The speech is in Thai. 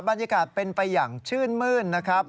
บรรยากาศเป็นไปอย่างชื่นมื้นนะครับ